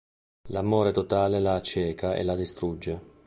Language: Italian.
L'amore totale la acceca e la distrugge.